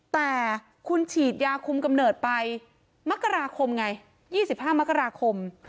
แต่คุณฉีดยาคุมกำเนิดไป๒๕มกราคม